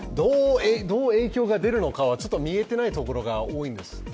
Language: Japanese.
どう影響が出るのかは見えてないところが多いです。